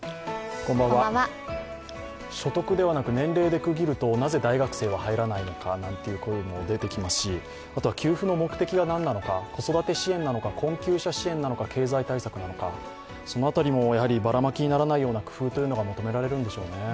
所得ではなく年齢で区切るとなぜ大学生は入らないのかという声も出てきますし、あとは給付の目的が何なのか、子育て支援なのか、困窮者支援なのか経済対策なのか、その辺りもバラマキにならないように工夫というのが求められるんでしょうね。